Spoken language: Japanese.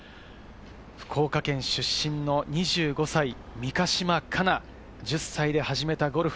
福岡県出身の２５歳、三ヶ島かな、１０歳で始めたゴルフ。